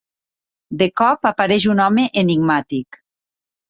De cop, apareix un home enigmàtic.